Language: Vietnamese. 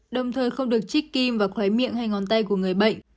đồng thời không được trích kim và khói miệng hay ngón tay của người bệnh